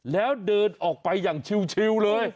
แล้วเดินออกไปอย่างชิวเลย